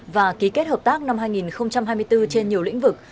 và ký kết hợp tác năm hai nghìn hai mươi bốn trên nhiều lĩnh vực